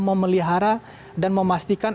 memelihara dan memastikan